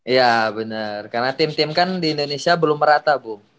iya bener karena tim tim kan di indonesia belum merata bu